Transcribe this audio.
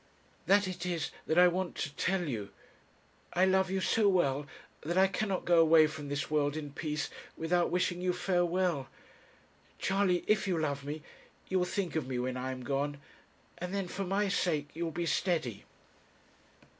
That it is that I want to tell you. I love you so well that I cannot go away from this world in peace without wishing you farewell. Charley, if you love me, you will think of me when I am gone; and then for my sake you will be steady.'